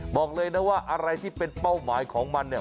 บอกเลยนะว่าอะไรที่เป็นเป้าหมายของมันเนี่ย